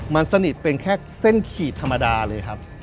มันสนิทเป็นแค่เส้นขีดธรรมดาเลยครับ